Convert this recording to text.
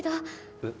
えっ？